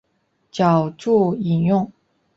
脚注引用